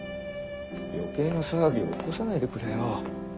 余計な騒ぎを起こさないでくれよ。